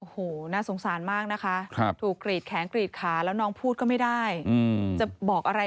หนักสงสารมากนะคะถูกกรีกแข้งกรีกขาวแล้วน้องพูดก็ไม่ได้